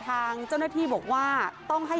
ขอบคุณครับขอบคุณครับ